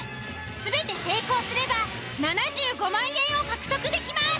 全て成功すれば７５万円を獲得できます。